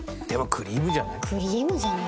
クリームじゃない？